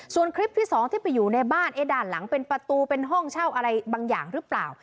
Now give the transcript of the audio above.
ส่วนคลิปที่สองที่ไปอยู่ในบ้านด้านหลังเป็นประตูเป็นห้องเช่าอะไรบางอย่างหรือเปล่า